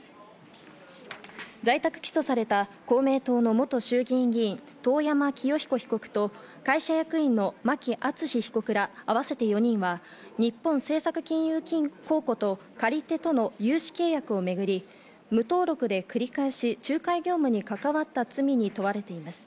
在宅起訴された公明党の元衆議院議員・遠山清彦被告と会社役員の牧厚被告ら合わせて４人は日本政策金融公庫と借り手との融資契約をめぐり無登録で繰り返し仲介業務に関わった罪に問われています。